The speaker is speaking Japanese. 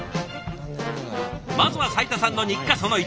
まずは斉田さんの日課その１。